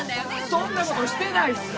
そんなことしてないっすよ